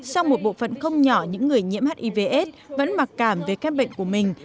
sau một bộ phận không nhỏ những người nhiễm hiv aids vẫn mặc cảm về các bệnh của mình